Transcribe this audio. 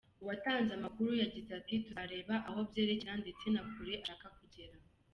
Uwatanze amakuru yagize ati “Tuzareba aho byerekeza ndetse na kure ashaka kugera.